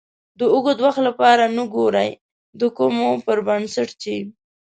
د اوږد وخت لپاره نه ګورئ د کومو پر بنسټ چې